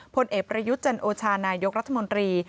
ผลเอกประยุทธ์จันโอชานายกรัฐมนตรี